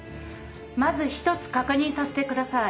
まず１つ確認させてください。